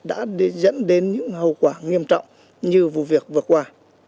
đã dẫn đến những hậu quả nghiêm trọng như vụ việc vừa qua